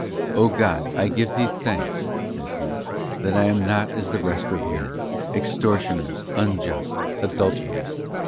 'O God,I give Thee thanks,' said he, 'that I am not as the rest of men, extortioners, unjust, adulterers